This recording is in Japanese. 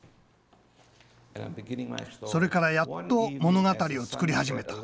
それからやっと物語を作り始めた。